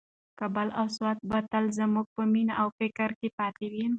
کابل او سوات به تل زموږ په مینه او فکر کې پاتې وي.